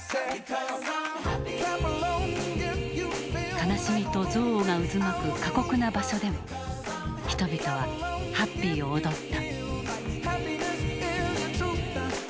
悲しみと憎悪が渦巻く過酷な場所でも人々は「ＨＡＰＰＹ」を踊った。